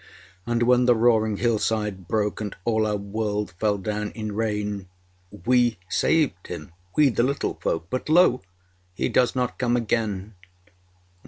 And when the roaring hillside broke, And all our world fell down in rain, We saved him, we the Little Folk; But lo! he does not come again!